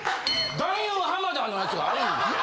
男優浜田のやつがあるんですよ。